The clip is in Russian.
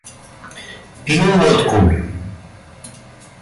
Пил водку?